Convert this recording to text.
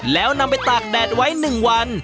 แล้วนำไปตากแดดไว้๑วัน